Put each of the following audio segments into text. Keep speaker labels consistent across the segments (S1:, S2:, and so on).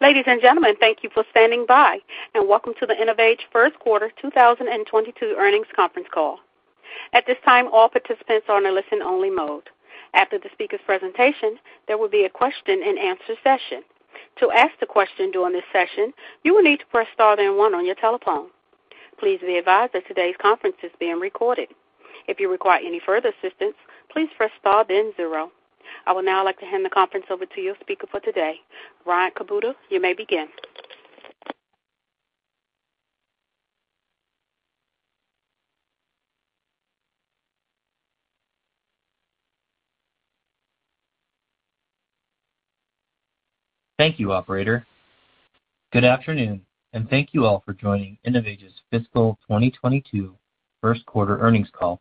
S1: Ladies and gentlemen, thank you for standing by and welcome to the InnovAge first quarter 2022 earnings conference call. At this time, all participants are in a listen-only mode. After the speaker's presentation, there will be a question-and-answer session. To ask the question during this session, you will need to press star then one on your telephone. Please be advised that today's conference is being recorded. If you require any further assistance, please press star then zero. I would now like to hand the conference over to your speaker for today. Ryan Kubota, you may begin.
S2: Thank you, operator. Good afternoon, and thank you all for joining InnovAge's fiscal 2022 first quarter earnings call.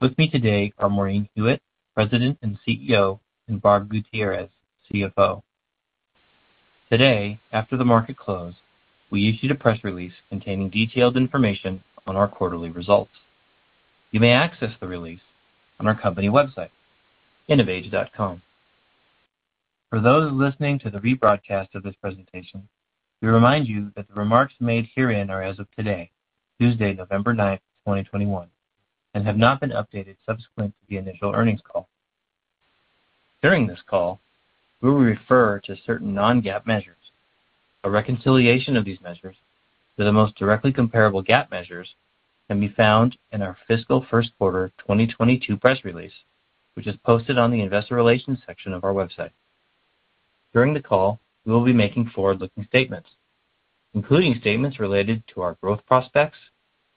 S2: With me today are Maureen Hewitt, President and CEO, and Barb Gutierrez, CFO. Today, after the market closed, we issued a press release containing detailed information on our quarterly results. You may access the release on our company website, innovage.com. For those listening to the rebroadcast of this presentation, we remind you that the remarks made herein are as of today, Tuesday, November 9, 2021, and have not been updated subsequent to the initial earnings call. During this call, we will refer to certain non-GAAP measures. A reconciliation of these measures to the most directly comparable GAAP measures can be found in our fiscal first quarter 2022 press release, which is posted on the investor relations section of our website. During the call, we will be making forward-looking statements, including statements related to our growth prospects,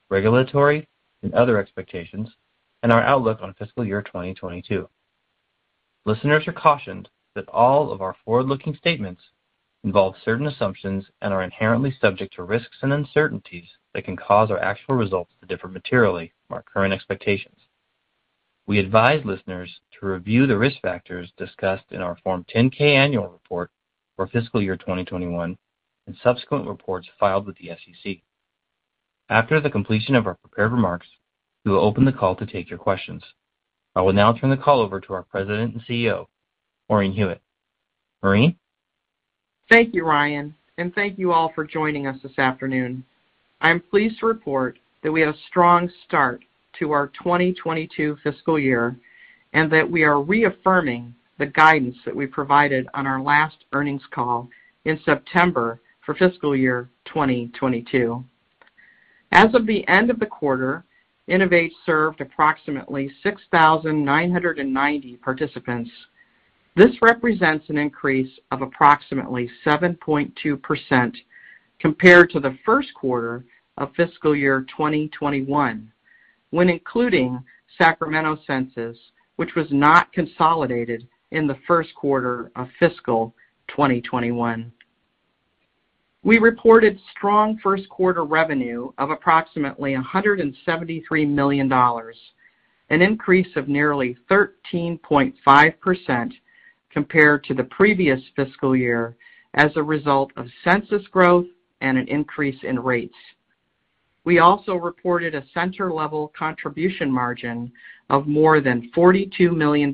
S2: regulatory and other expectations, and our outlook on fiscal year 2022. Listeners are cautioned that all of our forward-looking statements involve certain assumptions and are inherently subject to risks and uncertainties that can cause our actual results to differ materially from our current expectations. We advise listeners to review the risk factors discussed in our Form 10-K annual report for fiscal year 2021 and subsequent reports filed with the SEC. After the completion of our prepared remarks, we will open the call to take your questions. I will now turn the call over to our President and CEO, Maureen Hewitt. Maureen?
S3: Thank you, Ryan, and thank you all for joining us this afternoon. I'm pleased to report that we had a strong start to our 2022 fiscal year, and that we are reaffirming the guidance that we provided on our last earnings call in September for fiscal year 2022. As of the end of the quarter, InnovAge served approximately 6,990 participants. This represents an increase of approximately 7.2% compared to the first quarter of fiscal year 2021, when including Sacramento census, which was not consolidated in the first quarter of fiscal year 2021. We reported strong first quarter revenue of approximately $173 million, an increase of nearly 13.5% compared to the previous fiscal year as a result of census growth and an increase in rates. We also reported a center-level contribution margin of more than $42 million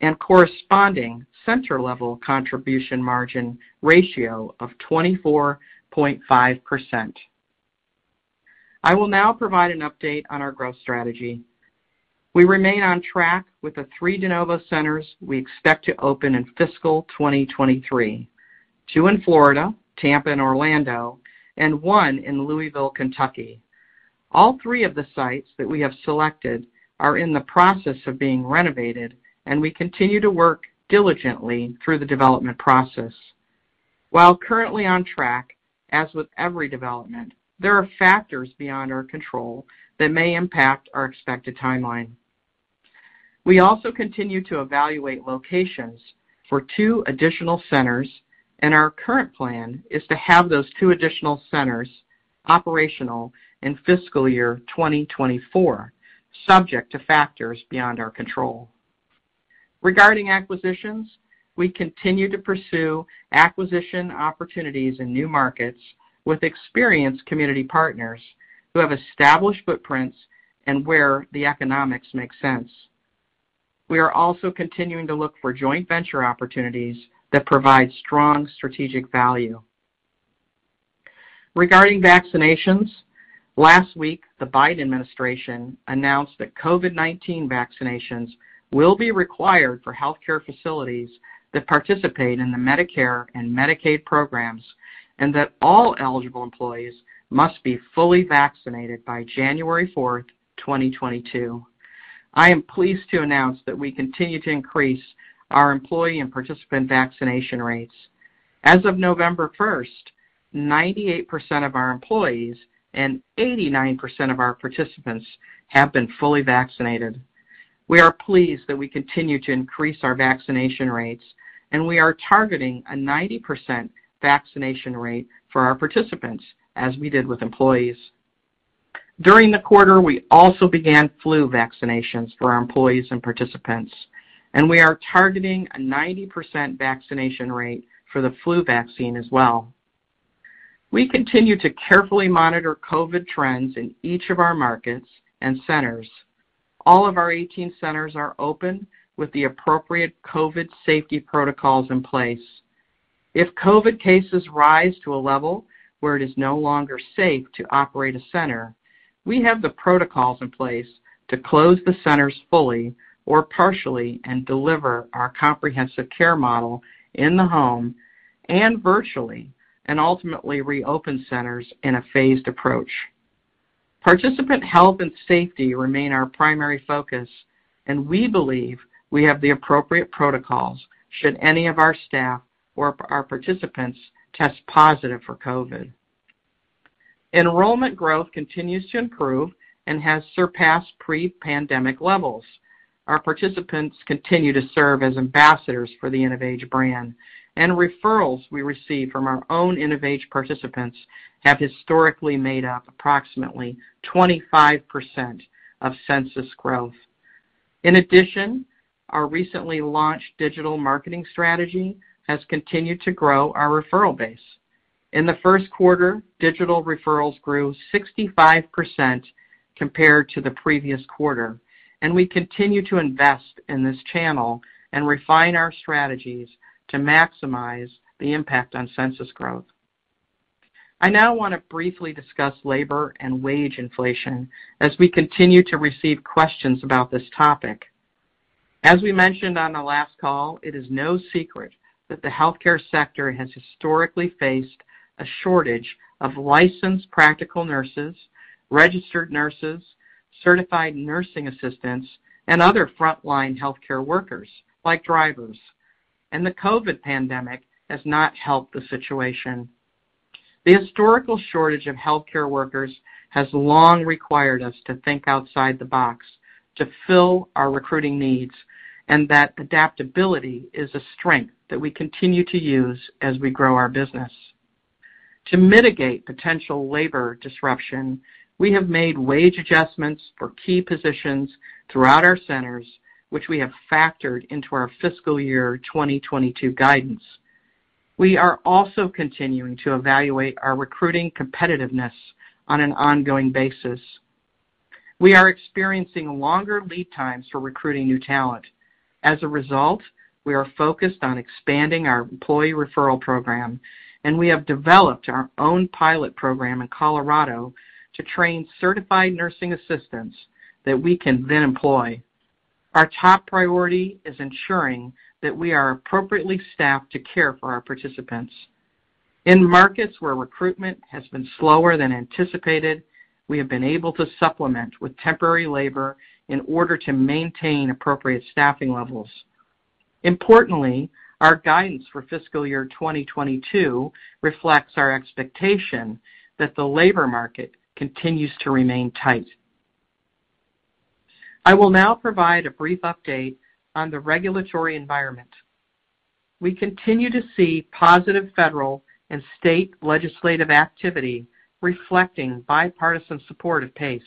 S3: and corresponding center-level contribution margin ratio of 24.5%. I will now provide an update on our growth strategy. We remain on track with the three de novo centers we expect to open in fiscal 2023, two in Florida, Tampa and Orlando, and one in Louisville, Kentucky. All three of the sites that we have selected are in the process of being renovated, and we continue to work diligently through the development process. While currently on track, as with every development, there are factors beyond our control that may impact our expected timeline. We also continue to evaluate locations for two additional centers, and our current plan is to have those two additional centers operational in fiscal year 2024, subject to factors beyond our control. Regarding acquisitions, we continue to pursue acquisition opportunities in new markets with experienced community partners who have established footprints and where the economics make sense. We are also continuing to look for joint venture opportunities that provide strong strategic value. Regarding vaccinations, last week, the Biden administration announced that COVID-19 vaccinations will be required for healthcare facilities that participate in the Medicare and Medicaid programs, and that all eligible employees must be fully vaccinated by January 4, 2022. I am pleased to announce that we continue to increase our employee and participant vaccination rates. As of November 1, 98% of our employees and 89% of our participants have been fully vaccinated. We are pleased that we continue to increase our vaccination rates, and we are targeting a 90% vaccination rate for our participants as we did with employees. During the quarter, we also began flu vaccinations for our employees and participants, and we are targeting a 90% vaccination rate for the flu vaccine as well. We continue to carefully monitor COVID trends in each of our markets and centers. All of our 18 centers are open with the appropriate COVID safety protocols in place. If COVID cases rise to a level where it is no longer safe to operate a center, we have the protocols in place to close the centers fully or partially and deliver our comprehensive care model in the home and virtually, and ultimately reopen centers in a phased approach. Participant health and safety remain our primary focus, and we believe we have the appropriate protocols should any of our staff or our participants test positive for COVID. Enrollment growth continues to improve and has surpassed pre-pandemic levels. Our participants continue to serve as ambassadors for the InnovAge brand, and referrals we receive from our own InnovAge participants have historically made up approximately 25% of census growth. In addition, our recently launched digital marketing strategy has continued to grow our referral base. In the first quarter, digital referrals grew 65% compared to the previous quarter, and we continue to invest in this channel and refine our strategies to maximize the impact on census growth. I now want to briefly discuss labor and wage inflation as we continue to receive questions about this topic. As we mentioned on the last call, it is no secret that the healthcare sector has historically faced a shortage of licensed practical nurses, registered nurses, certified nursing assistants, and other frontline healthcare workers, like drivers, and the COVID pandemic has not helped the situation. The historical shortage of healthcare workers has long required us to think outside the box to fill our recruiting needs, and that adaptability is a strength that we continue to use as we grow our business. To mitigate potential labor disruption, we have made wage adjustments for key positions throughout our centers, which we have factored into our fiscal year 2022 guidance. We are also continuing to evaluate our recruiting competitiveness on an ongoing basis. We are experiencing longer lead times for recruiting new talent. As a result, we are focused on expanding our employee referral program, and we have developed our own pilot program in Colorado to train certified nursing assistants that we can then employ. Our top priority is ensuring that we are appropriately staffed to care for our participants. In markets where recruitment has been slower than anticipated, we have been able to supplement with temporary labor in order to maintain appropriate staffing levels. Importantly, our guidance for fiscal year 2022 reflects our expectation that the labor market continues to remain tight. I will now provide a brief update on the regulatory environment. We continue to see positive federal and state legislative activity reflecting bipartisan support of PACE.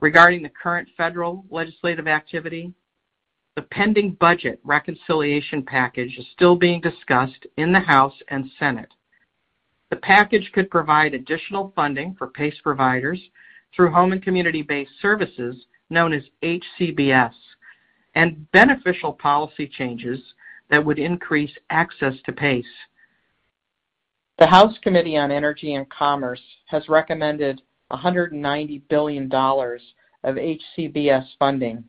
S3: Regarding the current federal legislative activity, the pending budget reconciliation package is still being discussed in the House and Senate. The package could provide additional funding for PACE providers through Home and Community-Based Services, known as HCBS, and beneficial policy changes that would increase access to PACE. The House Committee on Energy and Commerce has recommended $190 billion of HCBS funding.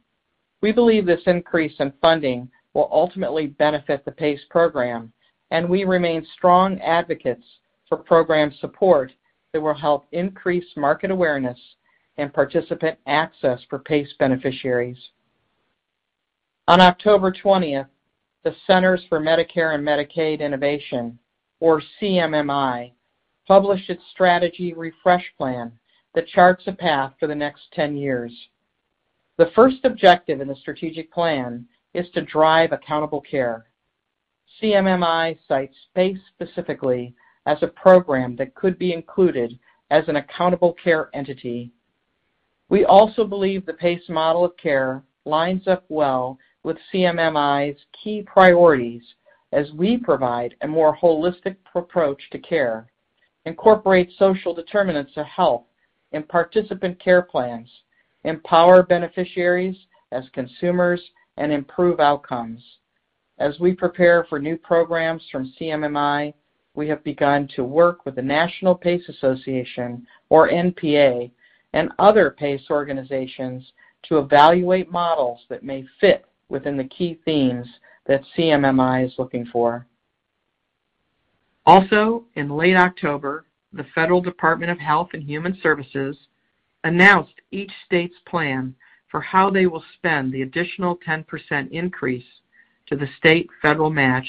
S3: We believe this increase in funding will ultimately benefit the PACE program, and we remain strong advocates for program support that will help increase market awareness and participant access for PACE beneficiaries. On October 20th, the Centers for Medicare and Medicaid Innovation, or CMMI, published its strategy refresh plan that charts a path for the next 10 years. The first objective in the strategic plan is to drive accountable care. CMMI cites PACE specifically as a program that could be included as an accountable care entity. We also believe the PACE model of care lines up well with CMMI's key priorities as we provide a more holistic approach to care, incorporate social determinants of health in participant care plans, empower beneficiaries as consumers, and improve outcomes. As we prepare for new programs from CMMI, we have begun to work with the National PACE Association, or NPA, and other PACE organizations to evaluate models that may fit within the key themes that CMMI is looking for. Also, in late October, the federal Department of Health and Human Services announced each state's plan for how they will spend the additional 10% increase to the state federal match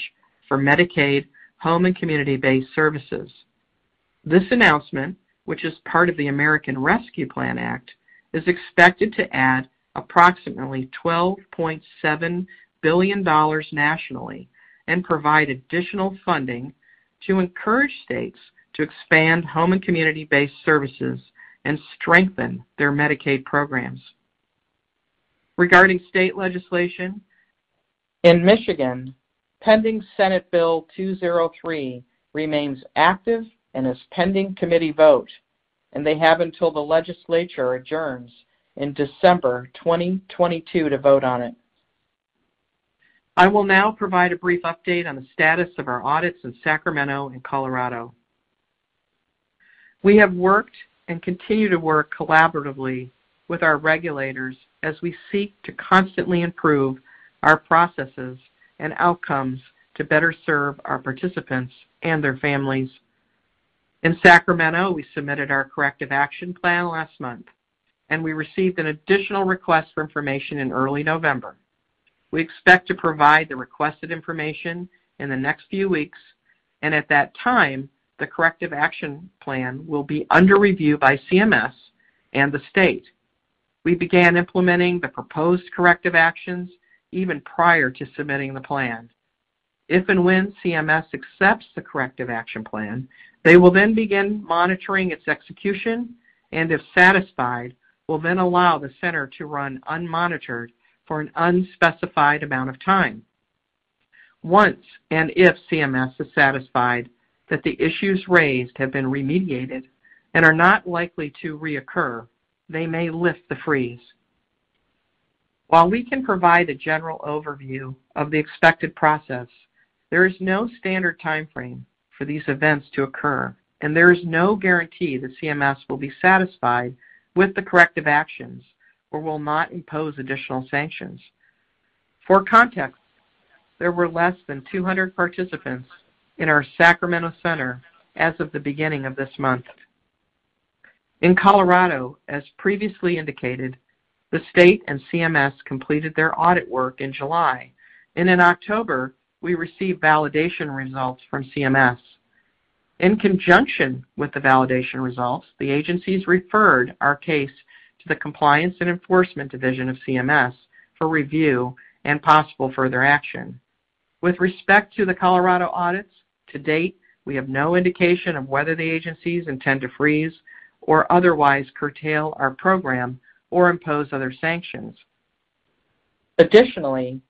S3: for Medicaid Home and Community-Based Services. This announcement, which is part of the American Rescue Plan Act, is expected to add approximately $12.7 billion nationally and provide additional funding to encourage states to expand Home and Community-Based Services and strengthen their Medicaid programs. Regarding state legislation, in Michigan, pending Senate Bill 203 remains active and is pending committee vote, and they have until the legislature adjourns in December 2022 to vote on it. I will now provide a brief update on the status of our audits in Sacramento and Colorado. We have worked and continue to work collaboratively with our regulators as we seek to constantly improve our processes and outcomes to better serve our participants and their families. In Sacramento, we submitted our corrective action plan last month, and we received an additional request for information in early November. We expect to provide the requested information in the next few weeks, and at that time, the corrective action plan will be under review by CMS and the state. We began implementing the proposed corrective actions even prior to submitting the plan. If and when CMS accepts the corrective action plan, they will then begin monitoring its execution and, if satisfied, will then allow the center to run unmonitored for an unspecified amount of time. Once and if CMS is satisfied that the issues raised have been remediated and are not likely to reoccur, they may lift the freeze. While we can provide a general overview of the expected process, there is no standard timeframe for these events to occur, and there is no guarantee that CMS will be satisfied with the corrective actions or will not impose additional sanctions. For context, there were less than 200 participants in our Sacramento Center as of the beginning of this month. In Colorado, as previously indicated, the state and CMS completed their audit work in July, and in October, we received validation results from CMS. In conjunction with the validation results, the agencies referred our case to the Compliance and Enforcement Division of CMS for review and possible further action. With respect to the Colorado audits, to date, we have no indication of whether the agencies intend to freeze or otherwise curtail our program or impose other sanctions. Additionally,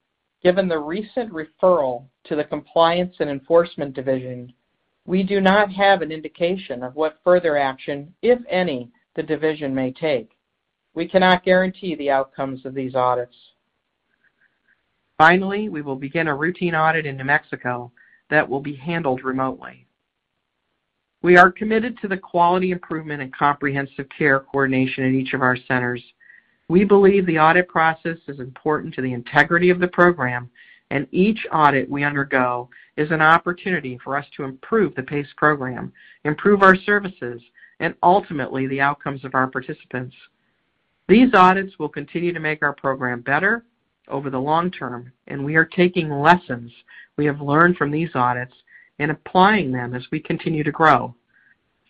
S3: given the recent referral to the Compliance and Enforcement Division, we do not have an indication of what further action, if any, the division may take. We cannot guarantee the outcomes of these audits. Finally, we will begin a routine audit in New Mexico that will be handled remotely. We are committed to the quality improvement and comprehensive care coordination in each of our centers. We believe the audit process is important to the integrity of the program, and each audit we undergo is an opportunity for us to improve the PACE program, improve our services, and ultimately, the outcomes of our participants. These audits will continue to make our program better over the long term, and we are taking lessons we have learned from these audits and applying them as we continue to grow.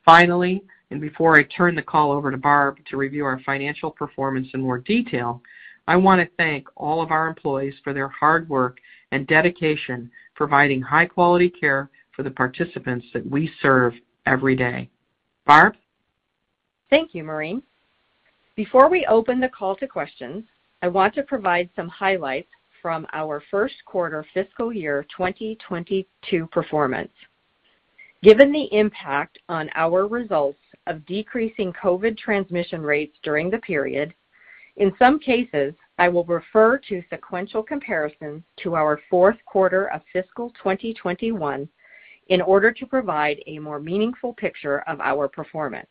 S3: Finally, and before I turn the call over to Barb to review our financial performance in more detail, I want to thank all of our employees for their hard work and dedication, providing high-quality care for the participants that we serve every day. Barb?
S4: Thank you, Maureen. Before we open the call to questions, I want to provide some highlights from our first quarter fiscal year 2022 performance. Given the impact on our results of decreasing COVID transmission rates during the period, in some cases, I will refer to sequential comparisons to our fourth quarter of fiscal 2021 in order to provide a more meaningful picture of our performance.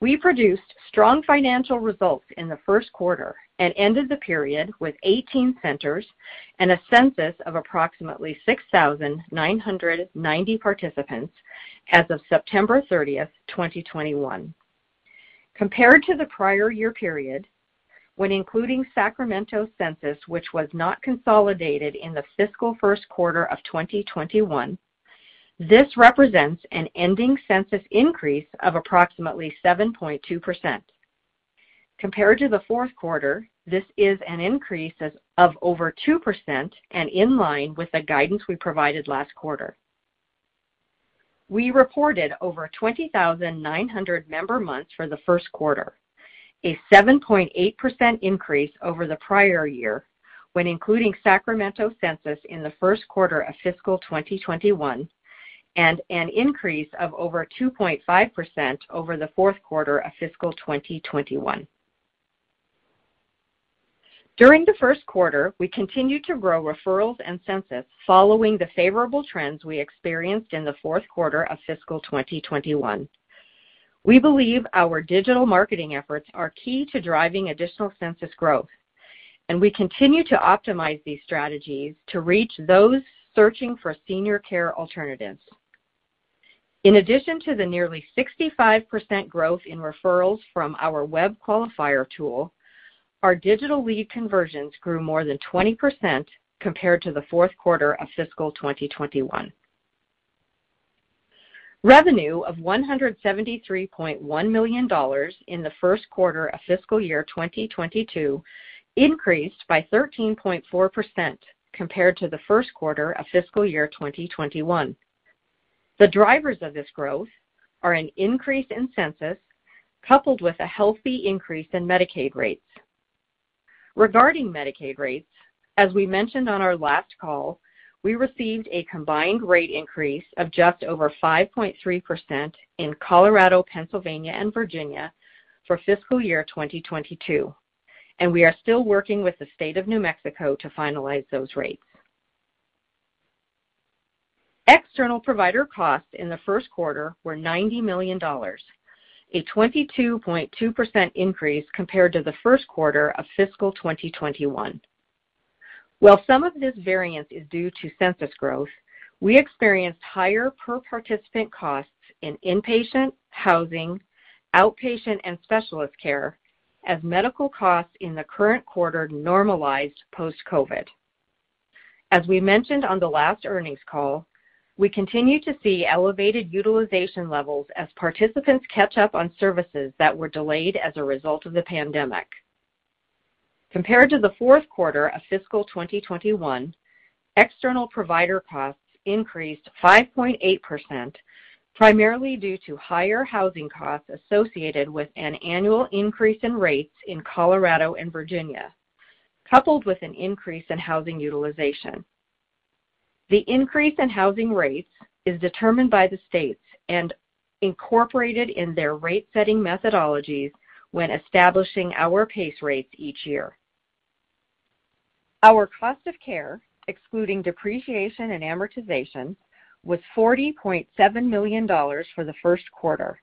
S4: We produced strong financial results in the first quarter and ended the period with 18 centers and a census of approximately 6,999 participants as of September 30th, 2021. Compared to the prior year period, when including Sacramento's census, which was not consolidated in the fiscal first quarter of 2021, this represents an ending census increase of approximately 7.2%. Compared to the fourth quarter, this is an increase of over 2% and in line with the guidance we provided last quarter. We reported over 20,900 member months for the first quarter, a 7.8% increase over the prior year when including Sacramento census in the first quarter of fiscal 2021 and an increase of over 2.5% over the fourth quarter of fiscal 2021. During the first quarter, we continued to grow referrals and census following the favorable trends we experienced in the fourth quarter of fiscal 2021. We believe our digital marketing efforts are key to driving additional census growth, and we continue to optimize these strategies to reach those searching for senior care alternatives. In addition to the nearly 65% growth in referrals from our web qualifier tool, our digital lead conversions grew more than 20% compared to the fourth quarter of fiscal 2021. Revenue of $173.1 million in the first quarter of fiscal year 2022 increased by 13.4% compared to the first quarter of fiscal year 2021. The drivers of this growth are an increase in census, coupled with a healthy increase in Medicaid rates. Regarding Medicaid rates, as we mentioned on our last call, we received a combined rate increase of just over 5.3% in Colorado, Pennsylvania and Virginia for fiscal year 2022, and we are still working with the state of New Mexico to finalize those rates. External provider costs in the first quarter were $90 million, a 22.2% increase compared to the first quarter of fiscal 2021. While some of this variance is due to census growth, we experienced higher per participant costs in inpatient, housing, outpatient, and specialist care as medical costs in the current quarter normalized post-COVID. As we mentioned on the last earnings call, we continue to see elevated utilization levels as participants catch up on services that were delayed as a result of the pandemic. Compared to the fourth quarter of fiscal 2021, external provider costs increased 5.8%, primarily due to higher housing costs associated with an annual increase in rates in Colorado and Virginia, coupled with an increase in housing utilization. The increase in housing rates is determined by the states and incorporated in their rate-setting methodologies when establishing our PACE rates each year. Our cost of care, excluding depreciation and amortization, was $40.7 million for the first quarter,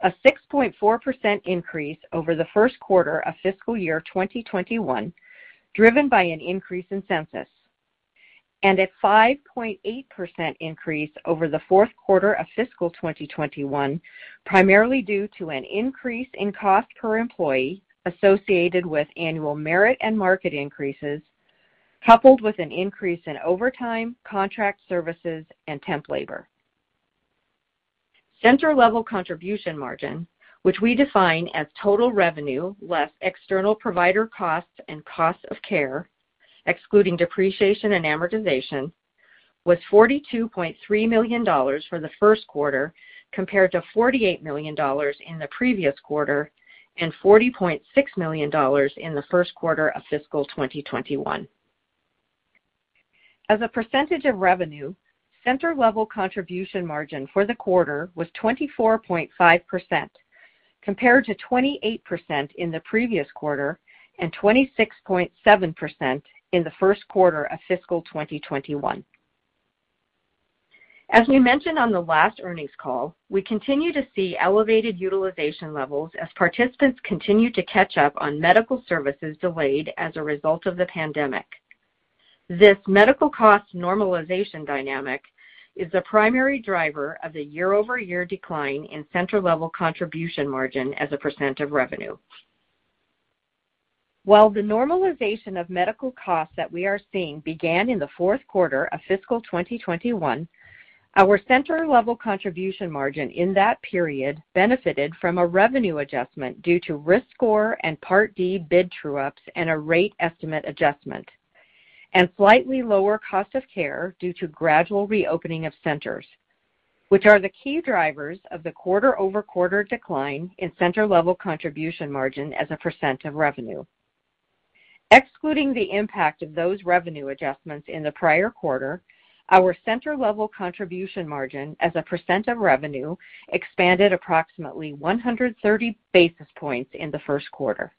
S4: a 6.4% increase over the first quarter of fiscal year 2021, driven by an increase in census, and a 5.8% increase over the fourth quarter of fiscal 2021, primarily due to an increase in cost per employee associated with annual merit and market increases, coupled with an increase in overtime, contract services and temp labor. Center-level contribution margin, which we define as total revenue less external provider costs and costs of care, excluding depreciation and amortization, was $42.3 million for the first quarter, compared to $48 million in the previous quarter and $40.6 million in the first quarter of fiscal 2021. As a percentage of revenue, center-level contribution margin for the quarter was 24.5%, compared to 28% in the previous quarter and 26.7% in the first quarter of fiscal 2021. We mentioned on the last earnings call, we continue to see elevated utilization levels as participants continue to catch up on medical services delayed as a result of the pandemic. This medical cost normalization dynamic is the primary driver of the year-over-year decline in center-level contribution margin as a percent of revenue. While the normalization of medical costs that we are seeing began in the fourth quarter of fiscal 2021, our center-level contribution margin in that period benefited from a revenue adjustment due to risk score and Part D bid true ups and a rate estimate adjustment, and slightly lower cost of care due to gradual reopening of centers, which are the key drivers of the quarter-over-quarter decline in center-level contribution margin as a percent of revenue. Excluding the impact of those revenue adjustments in the prior quarter, our center-level contribution margin as a percent of revenue expanded approximately 130 basis points in the first quarter.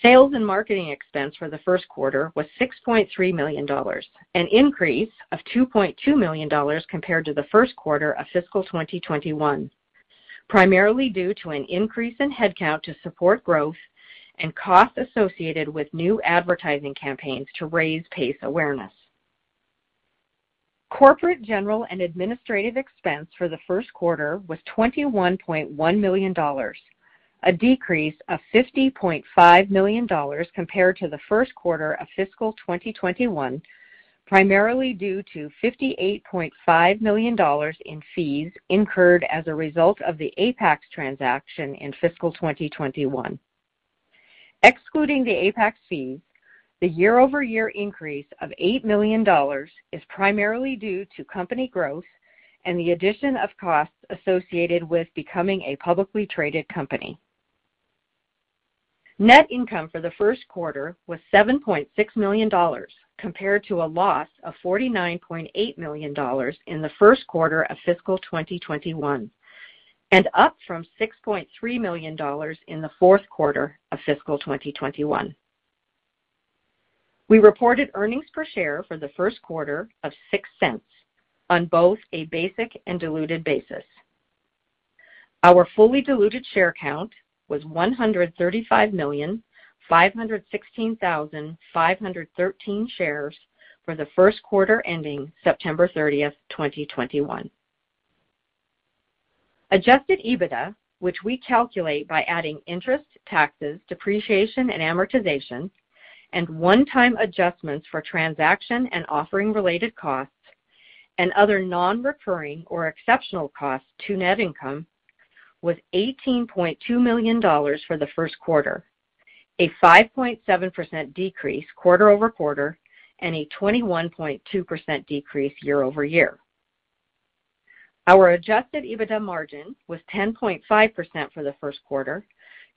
S4: Sales and marketing expense for the first quarter was $6.3 million, an increase of $2.2 million compared to the first quarter of fiscal 2021, primarily due to an increase in headcount to support growth and costs associated with new advertising campaigns to raise PACE awareness. Corporate, general and administrative expense for the first quarter was $21.1 million, a decrease of $50.5 million compared to the first quarter of fiscal 2021, primarily due to $58.5 million in fees incurred as a result of the Apax transaction in fiscal 2021. Excluding the Apax fees, the year-over-year increase of $8 million is primarily due to company growth and the addition of costs associated with becoming a publicly traded company. Net income for the first quarter was $7.6 million, compared to a loss of $49.8 million in the first quarter of fiscal 2021, and up from $6.3 million in the fourth quarter of fiscal 2021. We reported earnings per share for the first quarter of $0.06 on both a basic and diluted basis. Our fully diluted share count was 135,516,513 shares for the first quarter ending September 30, 2021. Adjusted EBITDA, which we calculate by adding interest, taxes, depreciation and amortization and one-time adjustments for transaction and offering related costs and other non-recurring or exceptional costs to net income, was $18.2 million for the first quarter, a 5.7% decrease quarter-over-quarter and a 21.2% decrease year-over-year. Our adjusted EBITDA margin was 10.5% for the first quarter,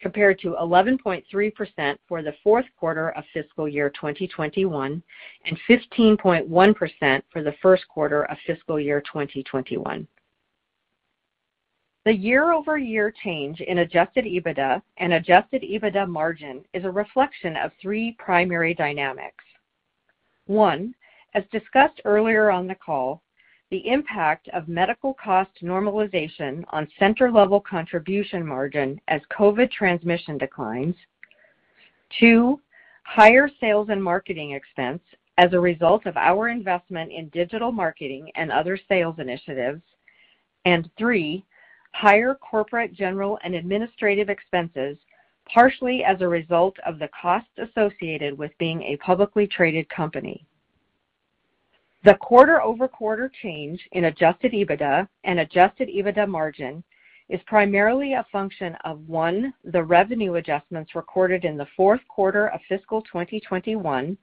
S4: compared to 11.3% for the fourth quarter of fiscal year 2021 and 15.1% for the first quarter of fiscal year 2021. The year-over-year change in adjusted EBITDA and adjusted EBITDA margin is a reflection of three primary dynamics. One, as discussed earlier on the call, the impact of medical cost normalization on center-level contribution margin as COVID transmission declines. Two, higher sales and marketing expense as a result of our investment in digital marketing and other sales initiatives. Three, higher corporate, general, and administrative expenses, partially as a result of the costs associated with being a publicly traded company. The quarter-over-quarter change in adjusted EBITDA and adjusted EBITDA margin is primarily a function of: One, the revenue adjustments recorded in the fourth quarter of fiscal 2021.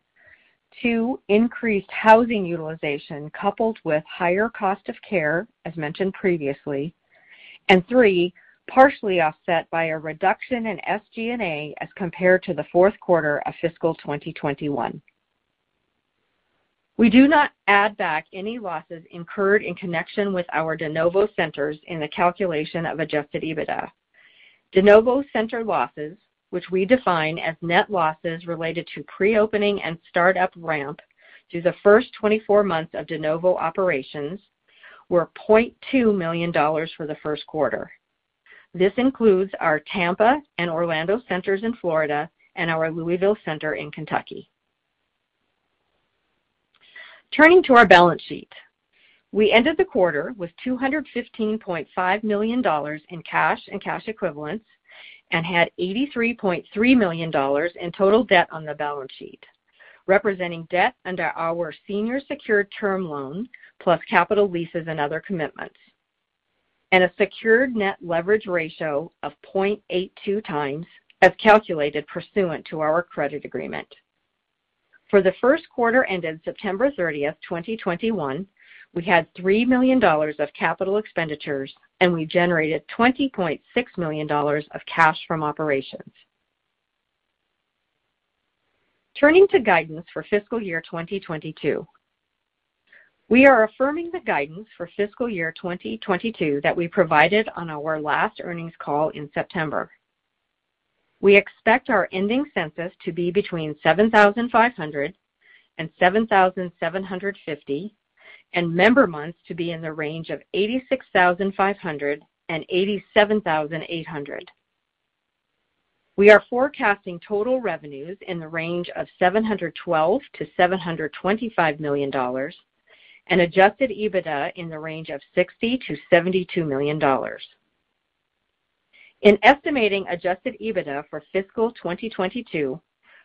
S4: Two, increased housing utilization coupled with higher cost of care, as mentioned previously. Three, partially offset by a reduction in SG&A as compared to the fourth quarter of fiscal 2021. We do not add back any losses incurred in connection with our de novo centers in the calculation of adjusted EBITDA. De novo center losses, which we define as net losses related to pre-opening and start-up ramp through the first 24 months of de novo operations, were $0.2 million for the first quarter. This includes our Tampa and Orlando centers in Florida and our Louisville center in Kentucky. Turning to our balance sheet. We ended the quarter with $215.5 million in cash and cash equivalents and had $83.3 million in total debt on the balance sheet, representing debt under our senior secured term loan plus capital leases and other commitments, and a secured net leverage ratio of 0.82x as calculated pursuant to our credit agreement. For the first quarter ended September 30, 2021, we had $3 million of capital expenditures, and we generated $20.6 million of cash from operations. Turning to guidance for fiscal year 2022. We are affirming the guidance for fiscal year 2022 that we provided on our last earnings call in September. We expect our ending census to be between 7,500 and 7,750 and member months to be in the range of 86,500 and 87,800. We are forecasting total revenues in the range of $712 million-$725 million and adjusted EBITDA in the range of $60 million-$72 million. In estimating adjusted EBITDA for fiscal 2022,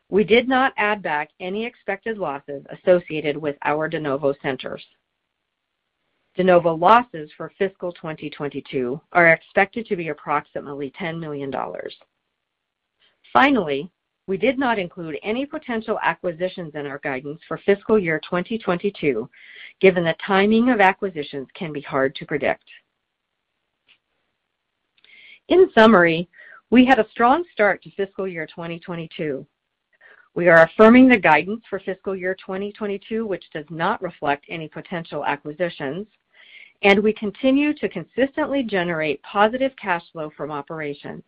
S4: we did not add back any expected losses associated with our de novo centers. De novo losses for fiscal 2022 are expected to be approximately $10 million. Finally, we did not include any potential acquisitions in our guidance for fiscal year 2022, given the timing of acquisitions can be hard to predict. In summary, we had a strong start to fiscal year 2022. We are affirming the guidance for fiscal year 2022, which does not reflect any potential acquisitions, and we continue to consistently generate positive cash flow from operations.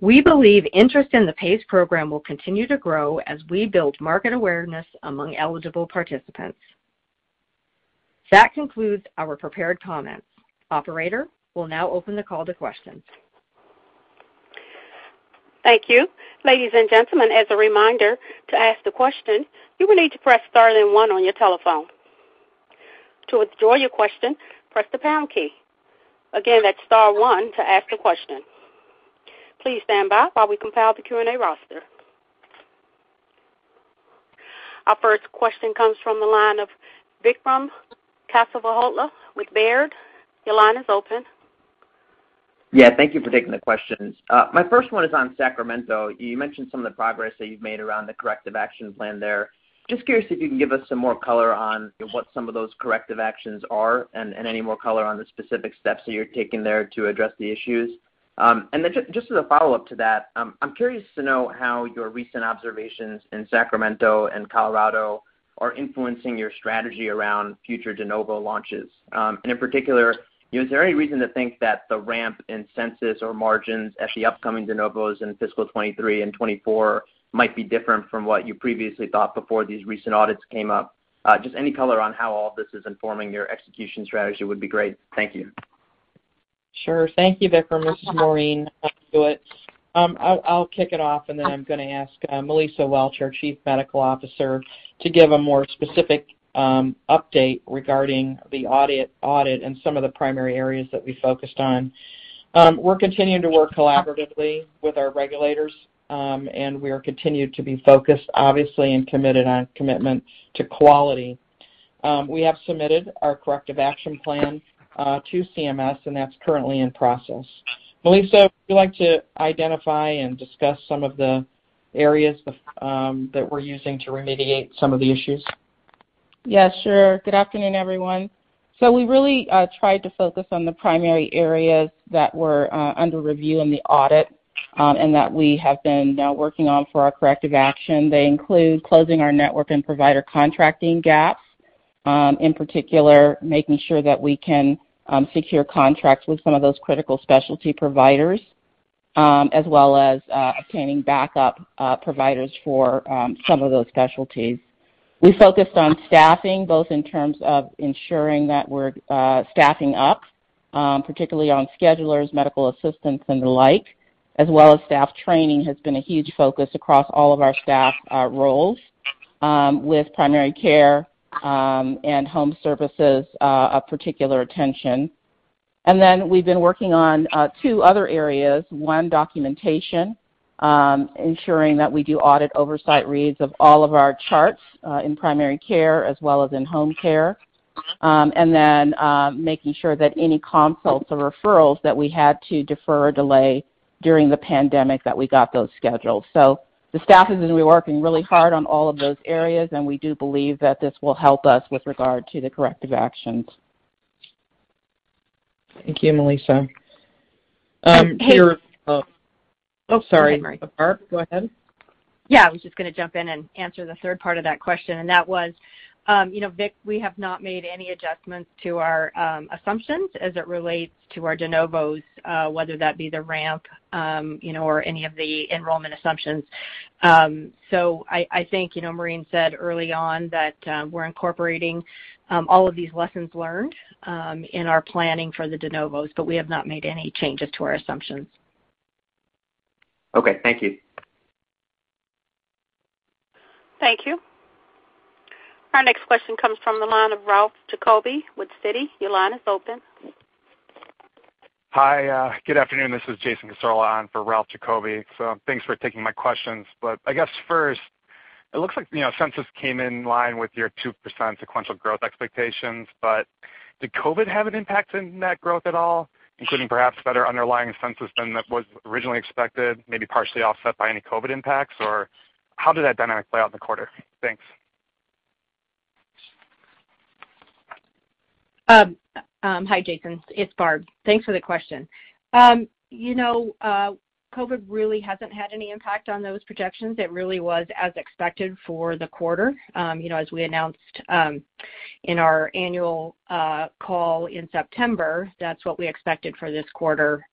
S4: We believe interest in the PACE program will continue to grow as we build market awareness among eligible participants. That concludes our prepared comments. Operator, we'll now open the call to questions.
S1: Thank you. Ladies and gentlemen, as a reminder, to ask the question, you will need to press star then one on your telephone. To withdraw your question, press the pound key. Again, that's star one to ask a question. Please stand by while we compile the Q&A roster. Our first question comes from the line of Vikram Kesavabhotla with Baird. Your line is open.
S5: Yeah, thank you for taking the questions. My first one is on Sacramento. You mentioned some of the progress that you've made around the corrective action plan there. Just curious if you can give us some more color on what some of those corrective actions are and any more color on the specific steps that you're taking there to address the issues. Just as a follow-up to that, I'm curious to know how your recent observations in Sacramento and Colorado are influencing your strategy around future de novo launches. In particular, is there any reason to think that the ramp in census or margins at the upcoming de novos in fiscal 2023 and 2024 might be different from what you previously thought before these recent audits came up? Just any color on how all this is informing your execution strategy would be great. Thank you.
S3: Sure. Thank you, Vikram. This is Maureen Hewitt. I'll kick it off, and then I'm gonna ask Melissa Welch, our Chief Medical Officer, to give a more specific update regarding the audit and some of the primary areas that we focused on. We're continuing to work collaboratively with our regulators, and we continue to be focused, obviously, and committed to commitment to quality. We have submitted our corrective action plan to CMS, and that's currently in process. Melissa, would you like to identify and discuss some of the areas of that we're using to remediate some of the issues?
S6: Yeah, sure. Good afternoon, everyone. We really tried to focus on the primary areas that were under review in the audit, and that we have been now working on for our corrective action. They include closing our network and provider contracting gaps, in particular, making sure that we can secure contracts with some of those critical specialty providers, as well as obtaining backup providers for some of those specialties. We focused on staffing, both in terms of ensuring that we're staffing up, particularly on schedulers, medical assistants, and the like, as well as staff training has been a huge focus across all of our staff roles, with primary care and home services a particular attention. We've been working on two other areas. One, documentation, ensuring that we do audit oversight reads of all of our charts, in primary care as well as in home care. Making sure that any consults or referrals that we had to defer or delay during the pandemic, that we got those scheduled. The staff has been working really hard on all of those areas, and we do believe that this will help us with regard to the corrective actions.
S3: Thank you, Melissa.
S4: Hey.
S3: Oh, sorry.
S4: That's all right.
S3: Barb, go ahead.
S4: Yeah, I was just gonna jump in and answer the third part of that question, and that was, you know, Vic, we have not made any adjustments to our assumptions as it relates to our de novos, whether that be the ramp, you know, or any of the enrollment assumptions. I think, you know, Maureen said early on that we're incorporating all of these lessons learned in our planning for the de novos, but we have not made any changes to our assumptions.
S5: Okay. Thank you.
S1: Thank you. Our next question comes from the line of Ralph Giacobbe with Citi. Your line is open.
S7: Hi. Good afternoon. This is Jason Cassorla on for Ralph Giacobbe. Thanks for taking my questions. I guess first, it looks like, you know, census came in line with your 2% sequential growth expectations, but did COVID have an impact in that growth at all, including perhaps better underlying census than that was originally expected, maybe partially offset by any COVID impacts, or how did that dynamic play out in the quarter? Thanks.
S4: Hi, Jason. It's Barb. Thanks for the question. You know, COVID really hasn't had any impact on those projections. It really was as expected for the quarter. You know, as we announced in our annual call in September, that's what we expected for this quarter,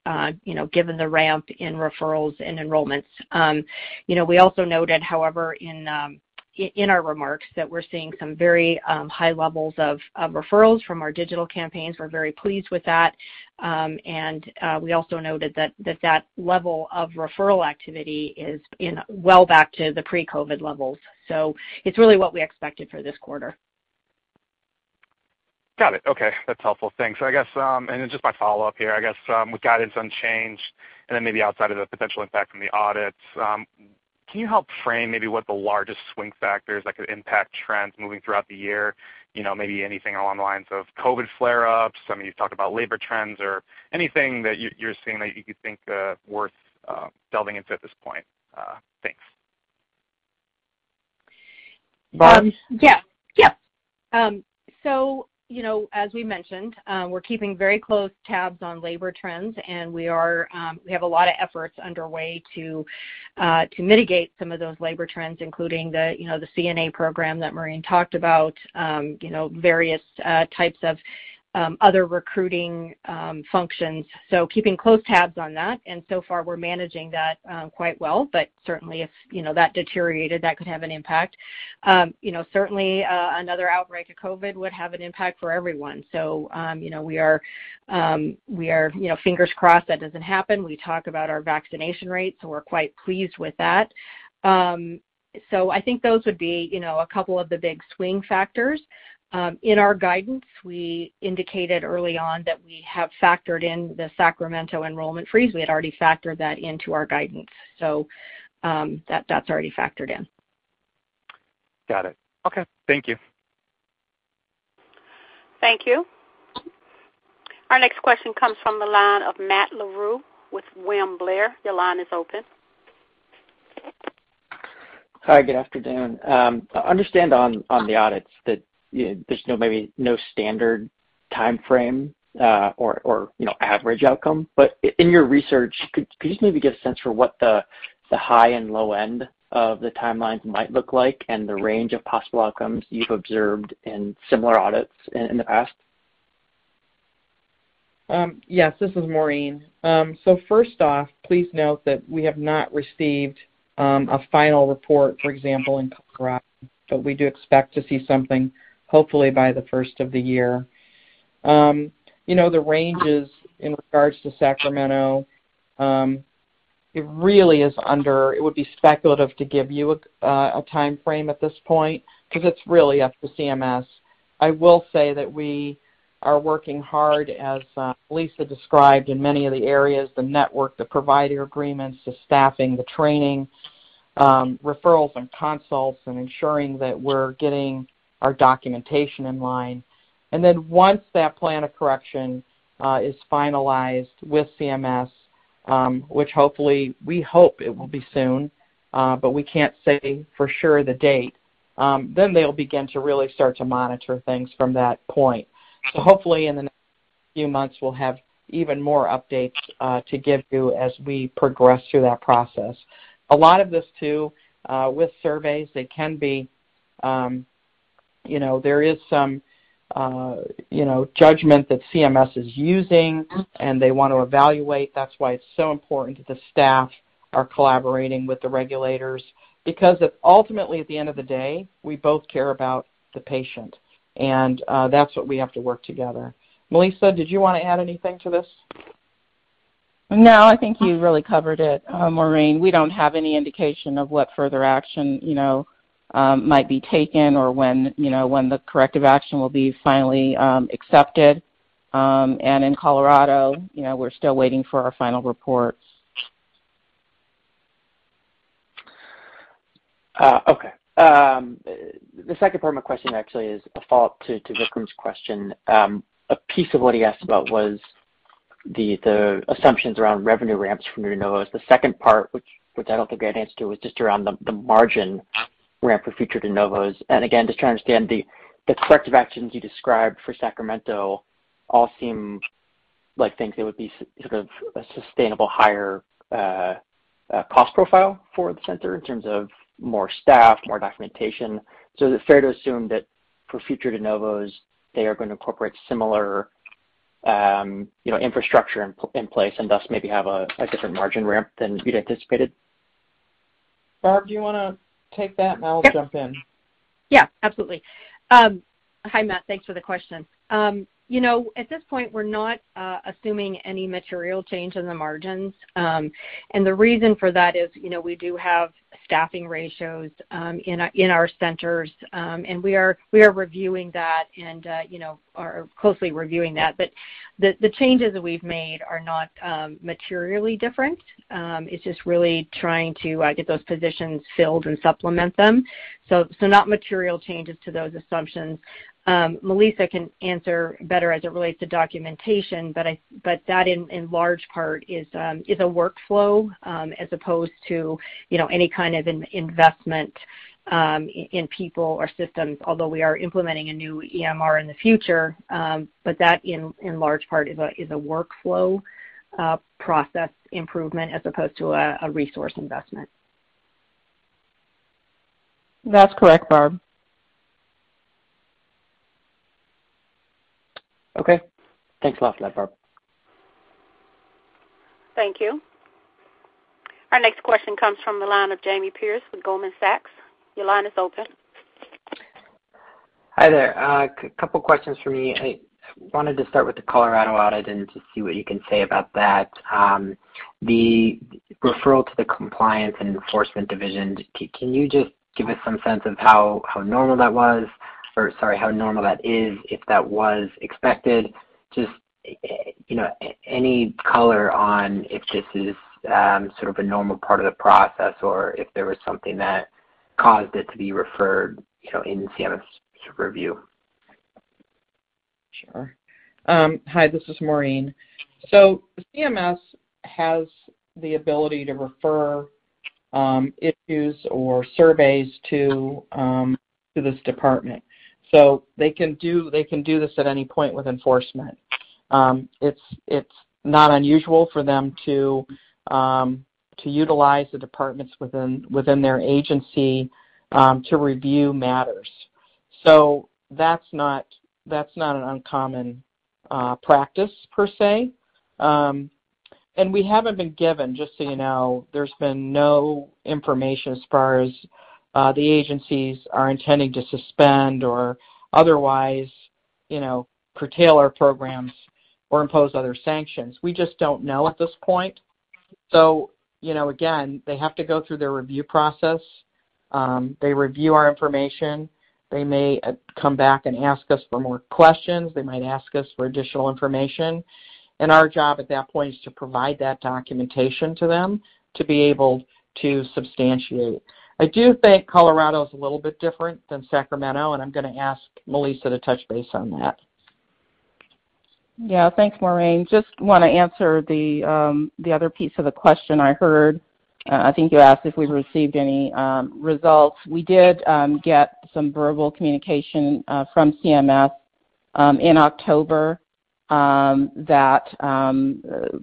S4: you know, given the ramp in referrals and enrollments. You know, we also noted, however, in our remarks that we're seeing some very high levels of referrals from our digital campaigns. We're very pleased with that. You know, we also noted that that level of referral activity is now well back to the pre-COVID levels. It's really what we expected for this quarter.
S7: Got it. Okay. That's helpful. Thanks. I guess and just my follow-up here, I guess, with guidance unchanged and then maybe outside of the potential impact from the audits, can you help frame maybe what the largest swing factors that could impact trends moving throughout the year? You know, maybe anything along the lines of COVID flare-ups. I mean, you've talked about labor trends or anything that you're seeing that you think worth delving into at this point. Thanks.
S3: Barb?
S4: Yeah. Yeah. You know, as we mentioned, we're keeping very close tabs on labor trends, and we have a lot of efforts underway to mitigate some of those labor trends, including the CNA program that Maureen talked about, you know, various types of other recruiting functions. Keeping close tabs on that, and so far we're managing that quite well. Certainly if that deteriorated, that could have an impact. You know, certainly another outbreak of COVID would have an impact for everyone. You know, we are fingers crossed that doesn't happen. We talk about our vaccination rates, so we're quite pleased with that. I think those would be a couple of the big swing factors. In our guidance, we indicated early on that we have factored in the Sacramento enrollment freeze. We had already factored that into our guidance. That's already factored in.
S7: Got it. Okay. Thank you.
S1: Thank you. Our next question comes from the line of Matt Larew with William Blair. Your line is open.
S8: Hi. Good afternoon. I understand on the audits that there's no, maybe no standard timeframe, or you know, average outcome. In your research, could you just maybe give a sense for what the high and low end of the timelines might look like and the range of possible outcomes you've observed in similar audits in the past?
S3: Yes. This is Maureen. First off, please note that we have not received a final report, for example, in Colorado, but we do expect to see something hopefully by the first of the year. You know, the ranges in regards to Sacramento, it would be speculative to give you a timeframe at this point because it's really up to CMS. I will say that we are working hard, as Melissa described in many of the areas, the network, the provider agreements, the staffing, the training. Referrals and consults and ensuring that we're getting our documentation in line. Once that plan of correction is finalized with CMS, which hopefully we hope it will be soon, but we can't say for sure the date, then they'll begin to really start to monitor things from that point. Hopefully in the next few months, we'll have even more updates to give you as we progress through that process. A lot of this too, with surveys, they can be, you know, there is some, you know, judgment that CMS is using, and they want to evaluate. That's why it's so important that the staff are collaborating with the regulators because ultimately at the end of the day, we both care about the patient. That's what we have to work together. Melissa, did you wanna add anything to this?
S6: No, I think you really covered it, Maureen. We don't have any indication of what further action, you know, might be taken or when, you know, when the corrective action will be finally accepted. In Colorado, you know, we're still waiting for our final reports.
S8: Okay. The second part of my question actually is a follow-up to Vikram's question. A piece of what he asked about was the assumptions around revenue ramps from de novos. The second part, which I don't think I answered to, was just around the margin ramp for future de novos. Again, just trying to understand the corrective actions you described for Sacramento all seem like things that would be sort of a sustainable higher cost profile for the center in terms of more staff, more documentation. Is it fair to assume that for future de novos, they are gonna incorporate similar, you know, infrastructure in place and thus maybe have a different margin ramp than you'd anticipated?
S3: Barb, do you wanna take that, and I'll jump in.
S4: Yeah, absolutely. Hi, Matt. Thanks for the question. You know, at this point, we're not assuming any material change in the margins. The reason for that is, you know, we do have staffing ratios in our centers. We are reviewing that, and you know, are closely reviewing that. But the changes that we've made are not materially different. It's just really trying to get those positions filled and supplement them. So, not material changes to those assumptions. Melissa can answer better as it relates to documentation, but that, in large part, is a workflow as opposed to, you know, any kind of investment in people or systems, although we are implementing a new EMR in the future. That, in large part, is a workflow process improvement as opposed to a resource investment.
S6: That's correct, Barb.
S8: Okay. Thanks a lot for that, Barb.
S1: Thank you. Our next question comes from the line of Jamie Perse with Goldman Sachs. Your line is open.
S9: Hi there. Couple questions from me. I wanted to start with the Colorado audit and to see what you can say about that. The referral to the Compliance and Enforcement Division, can you just give us some sense of how normal that was? Or sorry, how normal that is, if that was expected? You know, any color on if this is sort of a normal part of the process or if there was something that caused it to be referred, you know, in CMS review.
S3: Sure. Hi, this is Maureen. CMS has the ability to refer issues or surveys to this department. They can do this at any point with enforcement. It's not unusual for them to utilize the departments within their agency to review matters. That's not an uncommon practice per se. We haven't been given, just so you know, there's been no information as far as the agencies are intending to suspend or otherwise, you know, curtail our programs or impose other sanctions. We just don't know at this point. You know, again, they have to go through their review process. They review our information. They may come back and ask us for more questions. They might ask us for additional information. Our job at that point is to provide that documentation to them to be able to substantiate. I do think Colorado is a little bit different than Sacramento, and I'm gonna ask Melissa to touch base on that.
S6: Yeah. Thanks, Maureen. Just wanna answer the other piece of the question I heard. I think you asked if we received any results. We did get some verbal communication from CMS in October that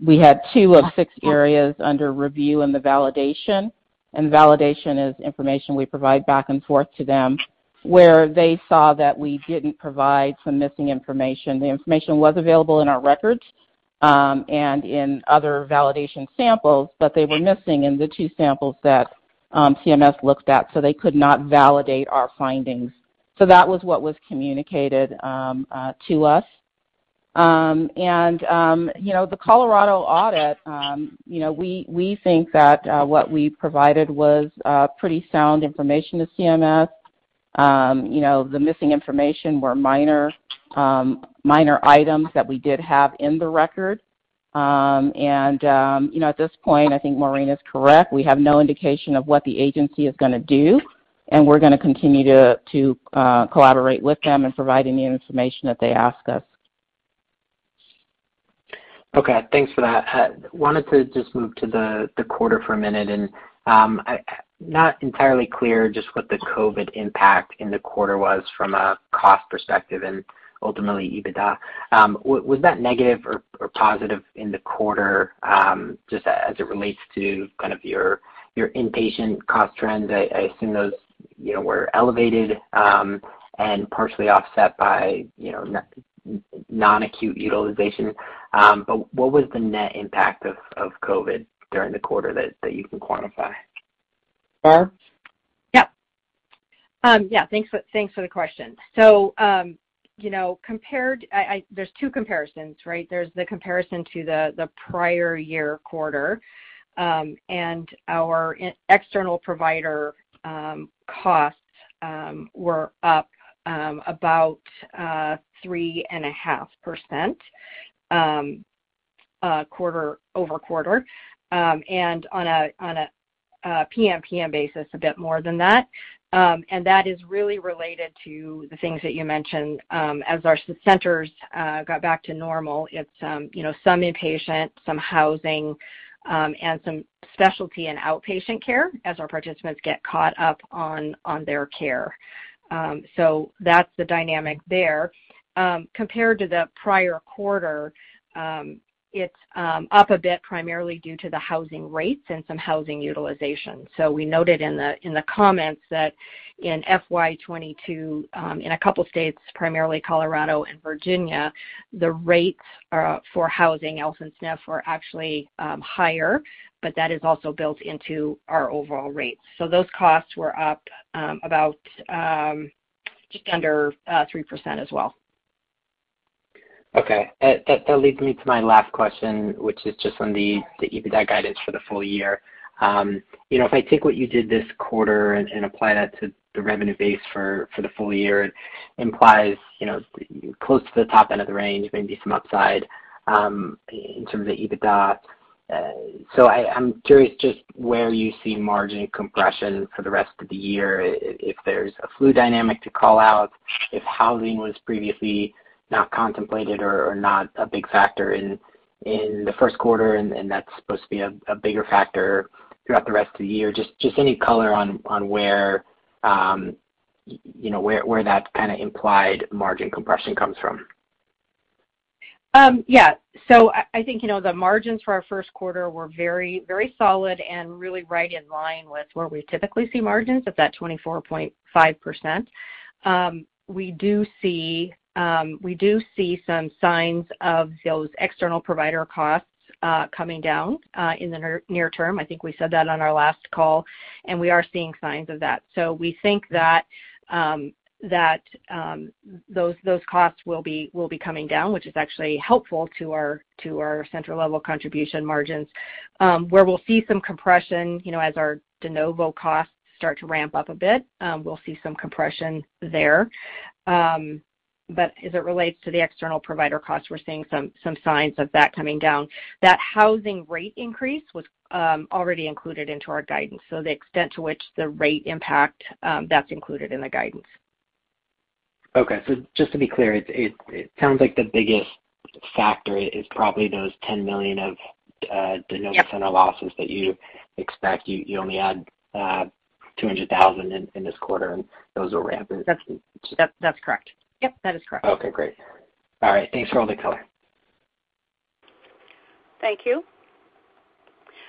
S6: we had two of six areas under review in the validation. Validation is information we provide back and forth to them, where they saw that we didn't provide some missing information. The information was available in our records and in other validation samples, but they were missing in the two samples that CMS looked at, so they could not validate our findings. That was what was communicated to us. You know, the Colorado audit, you know, we think that what we provided was pretty sound information to CMS. You know, the missing information were minor items that we did have in the record. You know, at this point, I think Maureen is correct. We have no indication of what the agency is gonna do, and we're gonna continue to collaborate with them and provide any information that they ask us.
S9: Okay. Thanks for that. Wanted to just move to the quarter for a minute. Not entirely clear just what the COVID impact in the quarter was from a cost perspective and ultimately EBITDA. Was that negative or positive in the quarter, just as it relates to kind of your inpatient cost trends? I assume those, you know, were elevated and partially offset by, you know, non-acute utilization. What was the net impact of COVID during the quarter that you can quantify?
S3: Barb?
S4: Yes. Yeah. Thanks for the question. You know, there's two comparisons, right? There's the comparison to the prior year quarter. Our external provider costs were up about 3.5% quarter-over-quarter. On a PMPM basis, a bit more than that. That is really related to the things that you mentioned, as our centers got back to normal. It's, you know, some inpatient, some housing, and some specialty and outpatient care as our participants get caught up on their care. That's the dynamic there. Compared to the prior quarter, it's up a bit primarily due to the housing rates and some housing utilization. We noted in the comments that in FY 2022, in a couple states, primarily Colorado and Virginia, the rates for housing, SNF, were actually higher, but that is also built into our overall rates. Those costs were up about just under 3% as well.
S9: Okay. That leads me to my last question, which is just on the EBITDA guidance for the full year. You know, if I take what you did this quarter and apply that to the revenue base for the full year, it implies, you know, close to the top end of the range, maybe some upside, in terms of EBITDA. I'm curious just where you see margin compression for the rest of the year, if there's a flu dynamic to call out, if housing was previously not contemplated or not a big factor in the first quarter, and that's supposed to be a bigger factor throughout the rest of the year. Just any color on where, you know, where that kind of implied margin compression comes from.
S4: Yeah. I think, you know, the margins for our first quarter were very, very solid and really right in line with where we typically see margins at that 24.5%. We do see some signs of those external provider costs coming down in the near term. I think we said that on our last call, and we are seeing signs of that. We think that those costs will be coming down, which is actually helpful to our center-level contribution margins, where we'll see some compression, you know, as our de novo costs start to ramp up a bit. We'll see some compression there. As it relates to the external provider costs, we're seeing some signs of that coming down. That housing rate increase was already included into our guidance. The extent to which the rate impact that's included in the guidance.
S9: Okay. Just to be clear, it sounds like the biggest factor is probably those $10 million of de novo center losses that you expect. You only had $200,000 in this quarter, and those will ramp.
S4: That's correct. Yep, that is correct.
S9: Okay, great. All right. Thanks for all the color.
S1: Thank you.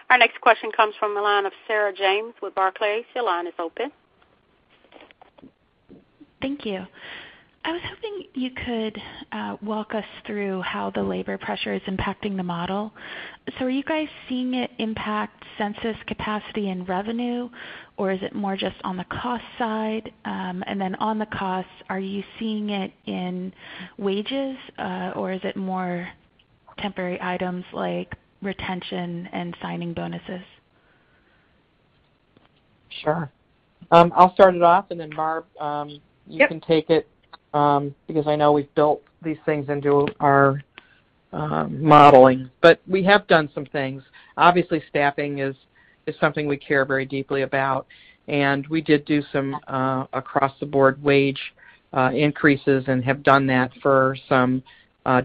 S1: Our next question comes from the line of Sarah James with Barclays. Your line is open.
S10: Thank you. I was hoping you could walk us through how the labor pressure is impacting the model. Are you guys seeing it impact census capacity and revenue, or is it more just on the cost side? On the costs, are you seeing it in wages, or is it more temporary items like retention and signing bonuses?
S3: Sure. I'll start it off, and then Barb-
S4: Yep
S3: You can take it because I know we've built these things into our modeling. We have done some things. Obviously, staffing is something we care very deeply about, and we did do some across the board wage increases and have done that for some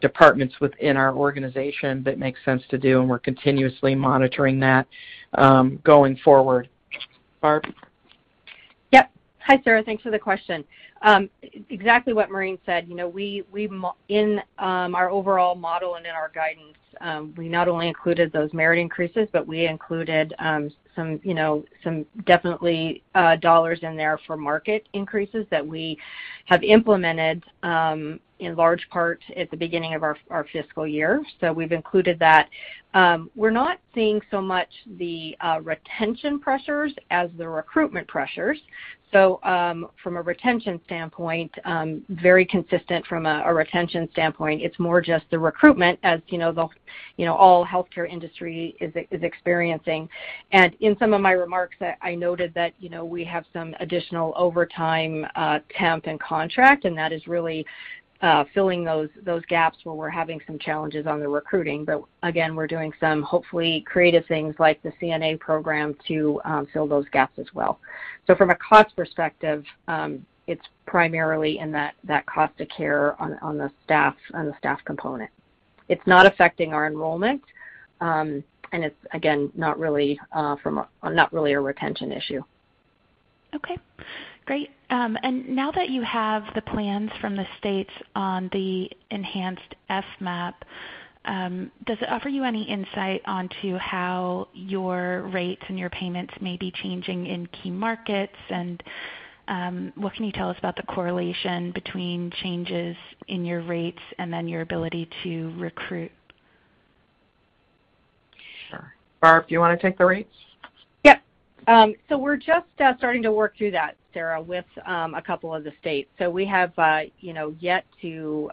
S3: departments within our organization that makes sense to do, and we're continuously monitoring that going forward. Barb?
S4: Yep. Hi, Sarah. Thanks for the question. Exactly what Maureen said. You know, we model in our overall model and in our guidance, we not only included those merit increases, but we included some, you know, some definite dollars in there for market increases that we have implemented in large part at the beginning of our fiscal year. So we've included that. We're not seeing so much the retention pressures as the recruitment pressures. So from a retention standpoint, very consistent from a retention standpoint. It's more just the recruitment as, you know, the all healthcare industry is experiencing. In some of my remarks, I noted that, you know, we have some additional overtime, temp and contract, and that is really filling those gaps where we're having some challenges on the recruiting. But again, we're doing some, hopefully, creative things like the CNA program to fill those gaps as well. From a cost perspective, it's primarily in that cost of care on the staff component. It's not affecting our enrollment, and it's again not really a retention issue.
S10: Okay, great. Now that you have the plans from the states on the enhanced FMAP, does it offer you any insight onto how your rates and your payments may be changing in key markets? What can you tell us about the correlation between changes in your rates and then your ability to recruit?
S3: Sure. Barb, do you wanna take the rates?
S4: Yep. We're just starting to work through that, Sarah, with a couple of the states. We have, you know, yet to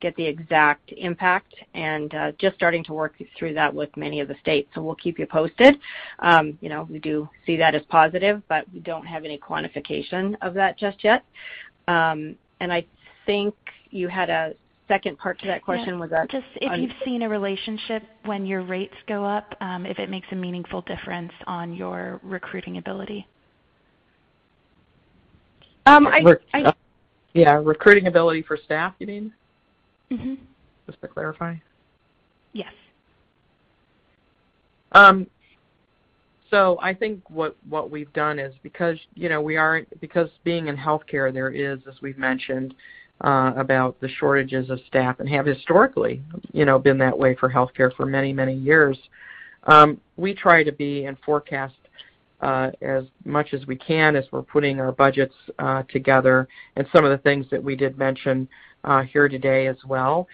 S4: get the exact impact and just starting to work through that with many of the states. We'll keep you posted. You know, we do see that as positive, but we don't have any quantification of that just yet. And I think you had a second part to that question. Was that on-
S10: Yeah. Just if you've seen a relationship when your rates go up, if it makes a meaningful difference on your recruiting ability?
S3: Yeah, recruiting ability for staff, you mean? Just to clarify.
S10: Yes.
S3: I think what we've done is, because being in healthcare, there is, as we've mentioned, about the shortages of staff and have historically, you know, been that way for healthcare for many, many years. We try to be and forecast as much as we can as we're putting our budgets together and some of the things that we did mention here today as well.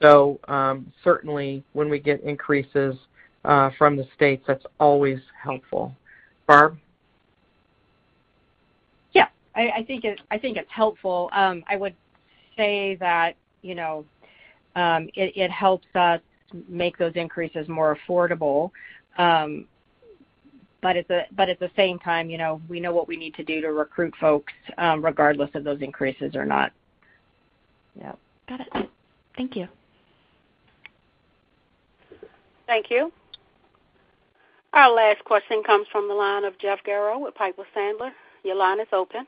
S3: Certainly when we get increases from the states, that's always helpful. Barb?
S4: Yeah. I think it's helpful. I would say that, you know, it helps us make those increases more affordable. At the same time, you know, we know what we need to do to recruit folks, regardless of those increases or not.
S10: Got it. Thank you.
S1: Thank you. Our last question comes from the line of Jeff Garro with Piper Sandler. Your line is open.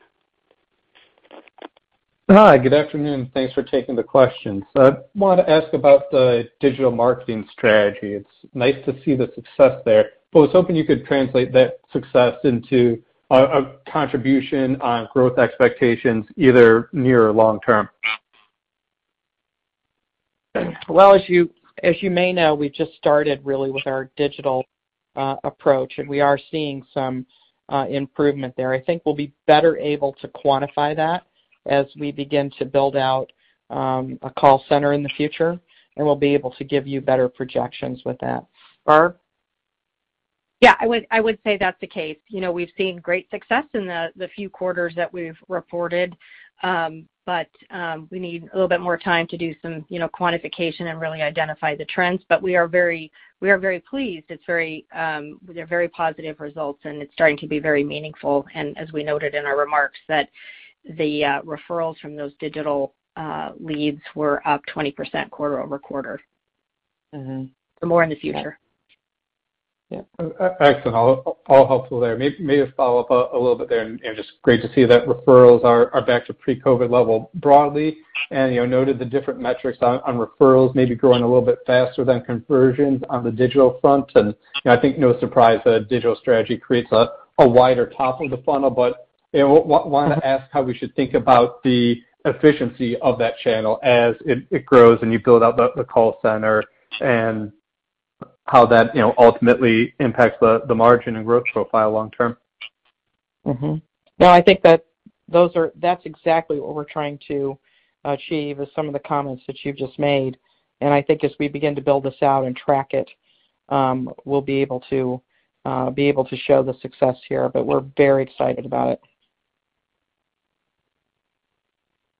S11: Hi. Good afternoon. Thanks for taking the questions. I want to ask about the digital marketing strategy. It's nice to see the success there, but I was hoping you could translate that success into a contribution on growth expectations either near or long term.
S3: Well, as you may know, we just started really with our digital approach, and we are seeing some improvement there. I think we'll be better able to quantify that as we begin to build out a call center in the future, and we'll be able to give you better projections with that. Barb?
S4: Yeah. I would say that's the case. You know, we've seen great success in the few quarters that we've reported. We need a little bit more time to do some, you know, quantification and really identify the trends. We are very pleased. They're very positive results, and it's starting to be very meaningful. As we noted in our remarks, the referrals from those digital leads were up 20% quarter-over-quarter. More in the future.
S11: Excellent. All helpful there. I may just follow up a little bit there, and just great to see that referrals are back to pre-COVID level broadly. You know, I noted the different metrics on referrals may be growing a little bit faster than conversions on the digital front. You know, I think no surprise that a digital strategy creates a wider top of the funnel. You know, I wanna ask how we should think about the efficiency of that channel as it grows and you build out the call center and how that ultimately impacts the margin and growth profile long term.
S3: No, I think that's exactly what we're trying to achieve is some of the comments that you've just made. I think as we begin to build this out and track it, we'll be able to show the success here, but we're very excited about it.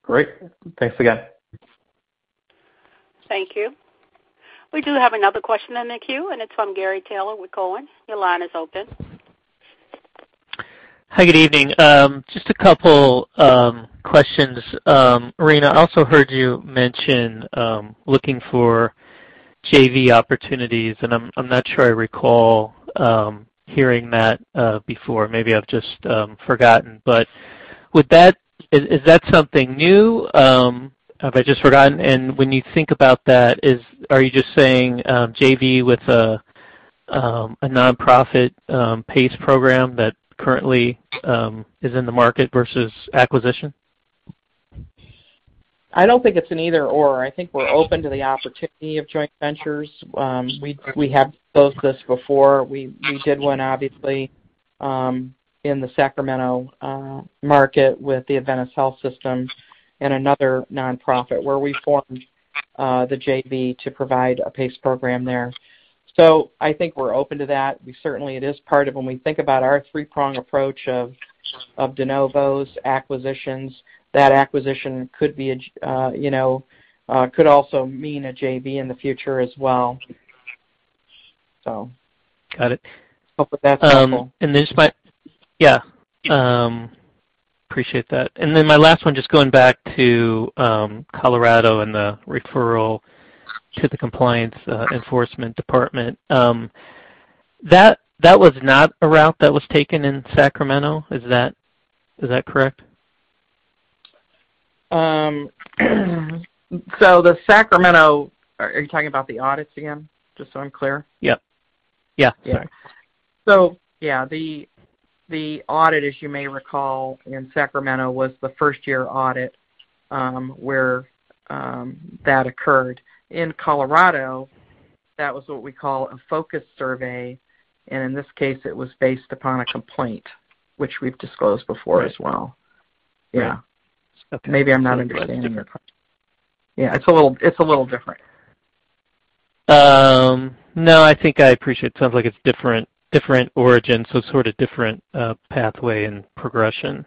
S11: Great. Thanks again.
S1: Thank you. We do have another question in the queue, and it's from Gary Taylor with Cowen. Your line is open.
S12: Hi, good evening. Just a couple questions. Maureen, I also heard you mention looking for JV opportunities, and I'm not sure I recall hearing that before. Maybe I've just forgotten. Is that something new? Have I just forgotten? When you think about that, are you just saying JV with a nonprofit PACE program that currently is in the market versus acquisition?
S3: I don't think it's an either/or. I think we're open to the opportunity of joint ventures. We have closed this before. We did one obviously in the Sacramento market with the Adventist Health and another nonprofit where we formed the JV to provide a PACE program there. I think we're open to that. It is part of when we think about our three-prong approach of de novos, acquisitions. That acquisition could you know could also mean a JV in the future as well.
S12: Got it.
S3: Hope that's helpful.
S12: Um, and this might... Yeah. Appreciate that. My last one, just going back to Colorado and the referral to the compliance enforcement department. That was not a route that was taken in Sacramento. Is that correct?
S3: Are you talking about the audits again? Just so I'm clear.
S12: Yep. Yeah, sorry.
S3: Yeah, the audit, as you may recall in Sacramento, was the first year audit, where that occurred. In Colorado, that was what we call a focus survey, and in this case it was based upon a complaint which we've disclosed before as well.
S12: Right.
S3: Yeah.
S12: Okay.
S3: Maybe I'm not understanding your question. Yeah, it's a little different.
S12: No, I think I appreciate. It sounds like it's different origin, so sort of different pathway and progression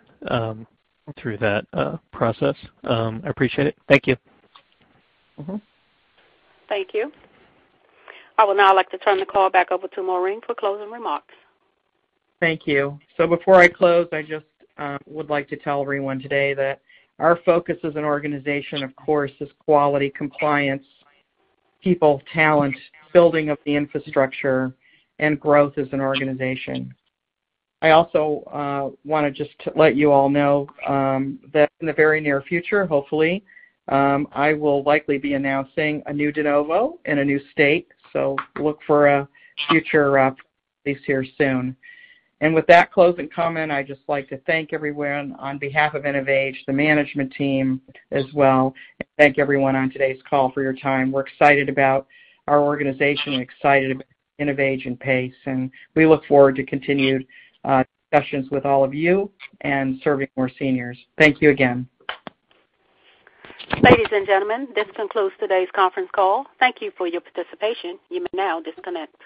S12: through that process. I appreciate it. Thank you.
S3: Mm-hmm.
S1: Thank you. I would now like to turn the call back over to Maureen for closing remarks.
S3: Thank you. Before I close, I just would like to tell everyone today that our focus as an organization, of course, is quality, compliance, people, talent, building up the infrastructure and growth as an organization. I also wanna just let you all know that in the very near future, hopefully, I will likely be announcing a new de novo in a new state. Look for a future update here soon. With that closing comment, I'd just like to thank everyone on behalf of InnovAge, the management team as well, and thank everyone on today's call for your time. We're excited about our organization. We're excited about InnovAge and PACE, and we look forward to continued discussions with all of you and serving more seniors. Thank you again.
S1: Ladies and gentlemen, this concludes today's conference call. Thank you for your participation. You may now disconnect.